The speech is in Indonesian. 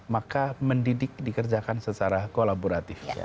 maka mendidik dikerjakan secara kolaboratif